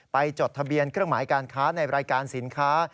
จดทะเบียนเครื่องหมายการค้าในรายการสินค้า